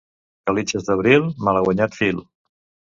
Calitges d'abril, malaguanyat fil.